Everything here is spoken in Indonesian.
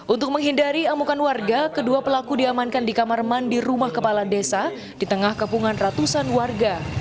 untuk menghindari amukan warga kedua pelaku diamankan di kamar mandi rumah kepala desa di tengah kepungan ratusan warga